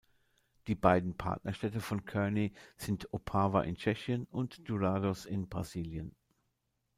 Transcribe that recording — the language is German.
Die beiden Partnerstädte von Kearney sind Opava in Tschechien und Dourados in Brasilien.